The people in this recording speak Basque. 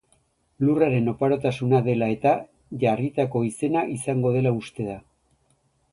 Lurraren oparotasuna dela eta jarritako izena izango dela uste da.